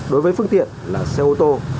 đối với phương tiện là xe ô tô